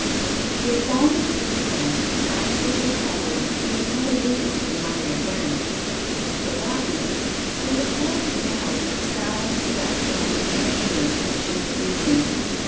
He had fallen asleep then and after his recovery he had not alluded to the matter again. I had forgotten it, but I recalled it now as I sat on the steps among the geraniums that June evening.